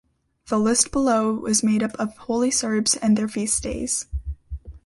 The list below is made up of Holy Serbs and their feast days.